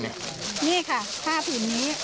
นี่ค่ะผ้าผืนนี้